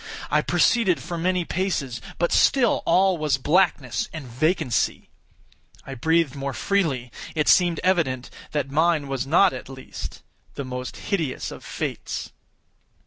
I proceeded for many paces; but still all was blackness and vacancy. I breathed more freely. It seemed evident that mine was not, at least, the most hideous of fates.